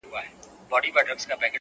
شكر دى چي مينه يې په زړه كـي ده ـ